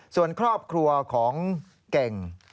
ส่วนครอบครัวของเก่ง